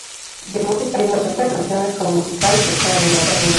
The Musical", tanto en sus versiones como musical o especial animado.